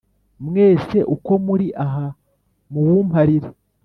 mwese uko muri aha muwumparire :